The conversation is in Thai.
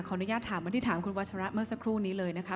อนุญาตถามเหมือนที่ถามคุณวัชระเมื่อสักครู่นี้เลยนะคะ